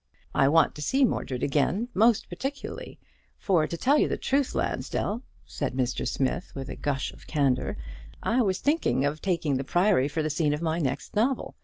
I want to see Mordred again, most particularly; for, to tell you the truth, Lansdell," said Mr. Smith, with a gush of candour, "I was thinking of taking the Priory for the scene of my next novel.